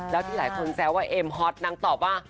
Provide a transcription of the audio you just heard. แล้วที่หลายคนแซวว่าเอ็มฮอตนางตอบว่า